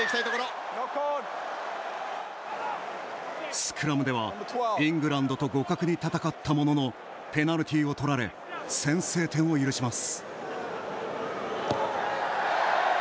スクラムではイングランドと互角に戦ったもののペナルティをとられ先取点を許します。